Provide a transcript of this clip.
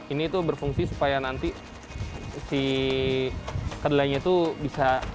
ini tuh berfungsi supaya nanti si kedelainya tuh bisa